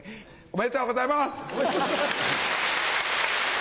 おめでとうございます！